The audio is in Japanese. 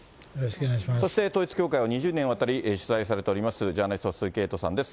そして統一教会を２０年にわたり取材されております、ジャーナリストの鈴木エイトさんです。